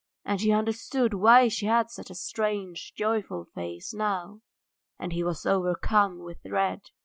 And he understood why she had such a strange, joyful face now, and he was overcome with dread.